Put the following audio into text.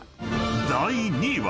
［第２位は］